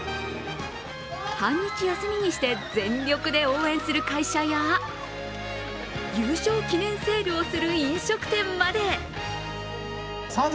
半日休みにして、全力で応援する会社や優勝記念セールをする飲食店まで。